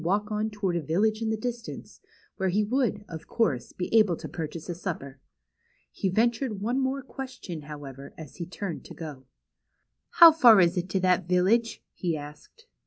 6i walk on toward a village in the distance^ where he would; of course; be able to purchase a supper. He ventured one more question; liowever; as he turned to How far is it to that village?'' he asked.